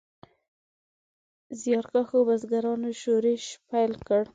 زیارکښو بزګرانو شورش پیل کړ.